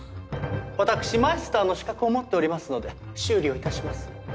わたくしマイスターの資格を持っておりますので修理を致します。